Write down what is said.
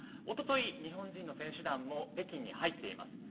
一昨日、日本人の選手団も北京に入っています。